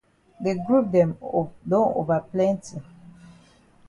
De group dem don ova plenti.